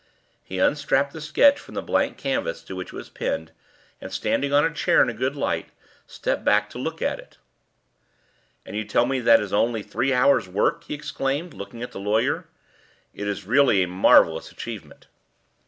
He unstrapped the sketch from the blank canvas to which it was pinned, and, standing it on a chair in a good light, stepped back to look at it. "And you tell me that that is only three hours' work!" he exclaimed, looking at the lawyer. "It is really a marvellous achievement."